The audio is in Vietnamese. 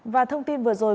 và thông tin vừa rồi